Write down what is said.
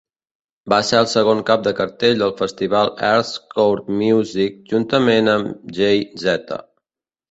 Va ser el segon cap de cartell del festival Earls Court Music juntament amb Jay-Z.